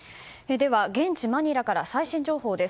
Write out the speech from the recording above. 現地マニラから最新情報です。